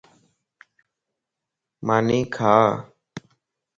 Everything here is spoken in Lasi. ماني کا